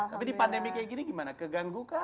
tapi di pandemi kayak gini gimana keganggu kah